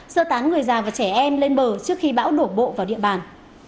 sơ tán người già và trẻ em lên bờ trước khi bão đổ bộ vào địa bàn